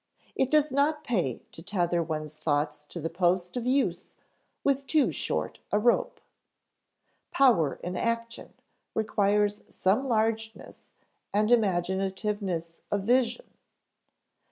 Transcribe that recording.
It does not pay to tether one's thoughts to the post of use with too short a rope. Power in action requires some largeness and imaginativeness of vision.